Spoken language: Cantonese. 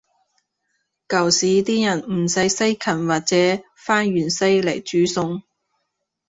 舊時啲人唔使西芹或者番芫茜來煮餸